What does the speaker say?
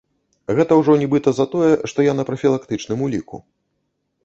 Гэта ўжо нібыта за тое, што я на прафілактычным уліку.